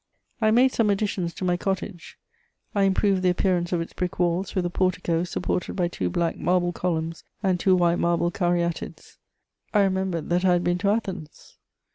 I made some additions to my cottage; I improved the appearance of its brick walls with a portico supported by two black marble columns and two white marble caryatides: I remembered that I had been to Athens.